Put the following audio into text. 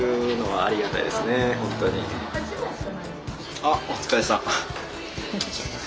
あっお疲れさん。